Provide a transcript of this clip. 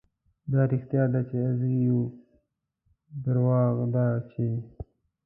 دا رښتيا ده، چې اغزي يو، دروغ دا چې